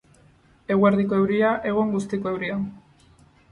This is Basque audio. Eguerdiko euria, egun guztiko euria.